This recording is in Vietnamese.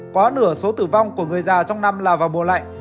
quá nửa số tử vong của người già trong năm là vào mùa lạnh